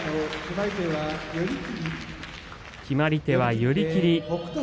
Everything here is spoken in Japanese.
決まり手は寄り切り。